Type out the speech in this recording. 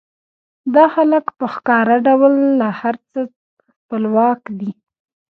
دا خلک په ښکاره ډول له هر څه خپلواک دي